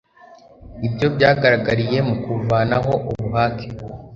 ibyo byagaragariye mu kuvanaho ubuhake